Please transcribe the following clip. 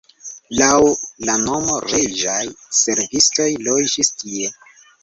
Laŭ la nomo reĝaj servistoj loĝis tie.